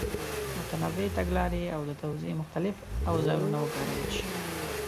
متنوع تګلارې او د توضیح مختلف اوزارونه وکارول شي.